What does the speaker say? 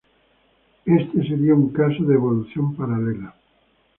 Este sería un caso de evolución paralela.